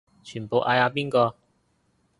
全部嗌阿邊個